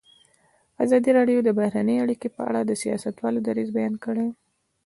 ازادي راډیو د بهرنۍ اړیکې په اړه د سیاستوالو دریځ بیان کړی.